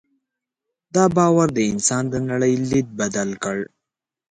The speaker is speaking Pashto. دا باور د انسان د نړۍ لید بدل کړ.